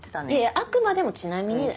あくまでも「ちなみに」だよ。